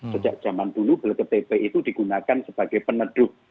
sejak zaman dulu ktp itu digunakan sebagai peneduh